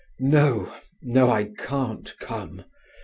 "No, no, I can't come.